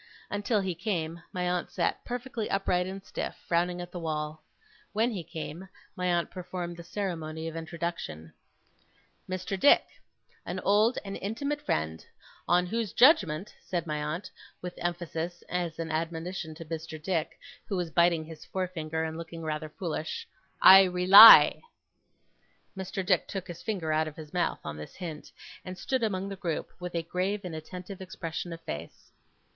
Until he came, my aunt sat perfectly upright and stiff, frowning at the wall. When he came, my aunt performed the ceremony of introduction. 'Mr. Dick. An old and intimate friend. On whose judgement,' said my aunt, with emphasis, as an admonition to Mr. Dick, who was biting his forefinger and looking rather foolish, 'I rely.' Mr. Dick took his finger out of his mouth, on this hint, and stood among the group, with a grave and attentive expression of face.